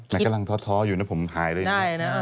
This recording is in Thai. กำลังท้ออยู่นะผมหายเลยนะ